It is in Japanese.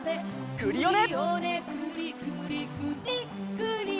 クリオネ！